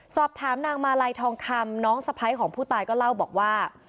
สอบถามนางมาลัยทองคำน้องสะพ้ายของผู้ตายก็เล่าบอกว่า